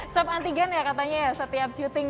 sob antigen ya katanya setiap syuting ya